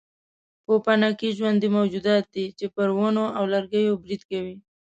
پوپنکي ژوندي موجودات دي چې پر ونو او لرګیو برید کوي.